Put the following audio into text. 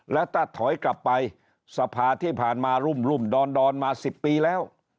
แล้วถ้าถอยกลับไปสภาที่ผ่านมารุ่มดอนมา๑๐ปีแล้ว